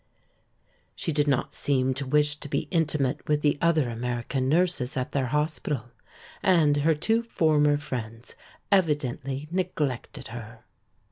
She did not seem to wish to be intimate with the other American nurses at their hospital and her two former friends evidently neglected her.